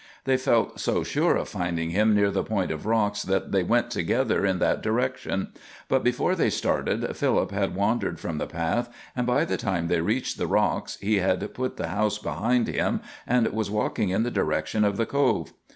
They felt so sure of finding him near the point of rocks that they went together in that direction; but before they started Philip had wandered from the path, and by the time they reached the rocks he had put the house behind him and was walking in the direction of the Cove.